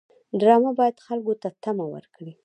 ډرامه باید خلکو ته تمه ورکړي